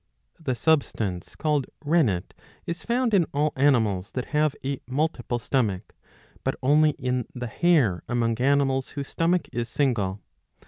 The substance called rennet^ is found in all animals that have a multiple stomach, but only in the hare'^ among animals \yhose stomach is single.